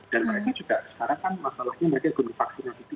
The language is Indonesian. dan mereka juga sekarang kan masalahnya mereka gunakan vaksinasi